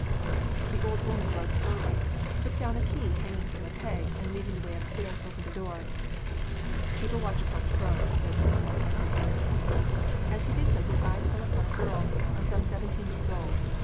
The old woman rose slowly, took down a key hanging from a peg, and, leading the way upstairs, opened a door. "Keep a watch upon the crone," Desmond said, as he entered. As he did so, his eye fell upon a girl of some seventeen years old.